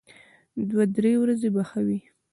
دوه درې ورځې به ښه و.